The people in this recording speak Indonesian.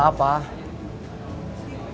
gak ada apa apa